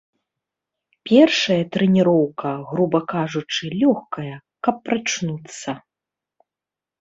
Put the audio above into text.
Першая трэніроўка, груба кажучы, лёгкая, каб прачнуцца.